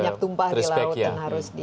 minyak tumpah di laut dan harus dibersihkan